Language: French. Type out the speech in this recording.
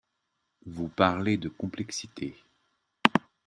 Vous parlez de complexité.